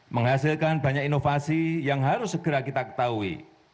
menghasilkan banyak inovasi yang harus segera kita ketahui